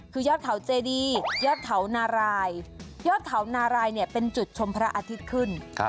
คือยอดเขาเจดียอดเขานารายยอดเขานารายเนี่ยเป็นจุดชมพระอาทิตย์ขึ้น